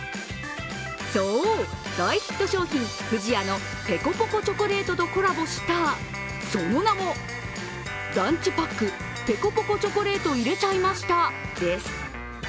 そう、大ヒット商品不二家のペコポコチョコレートとコラボしたその名も、ランチパックペコポコチョコレート入れちゃいましたです。